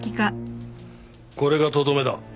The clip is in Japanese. これがとどめだ。